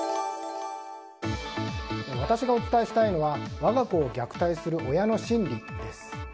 私がお伝えしたいのは我が子を虐待する親の心理です。